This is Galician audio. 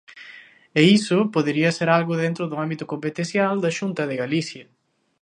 E iso podería ser algo dentro do ámbito competencial da Xunta de Galicia.